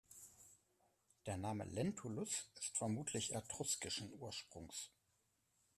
Der Name "Lentulus" ist vermutlich etruskischen Ursprungs.